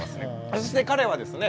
そして彼はですね